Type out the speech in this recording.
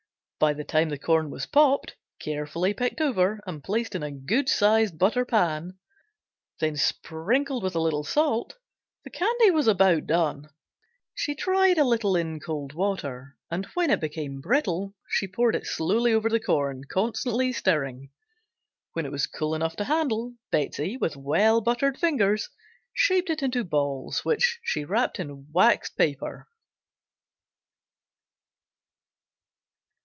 By the time the corn was popped, carefully picked over and placed in a good sized buttered pan, then sprinkled with a little salt, the candy was about done. She tried a little in cold water, and when it became brittle she poured it slowly over the corn, constantly stirring. When it was cool enough to handle, Betsey, with well buttered fingers, shaped it into balls, which she wrapped in waxed paper.